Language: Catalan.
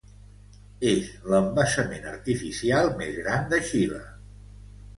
És l'embassament artificial més gran de Xile.